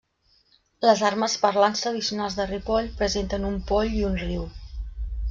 Les armes parlants tradicionals de Ripoll presenten un poll i un riu.